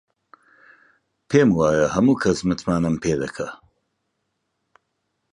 پێم وایە هەموو کەس متمانەم پێ دەکات.